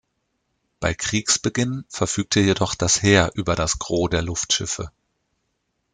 Bei Kriegsbeginn verfügte jedoch das Heer über das Gros der Luftschiffe.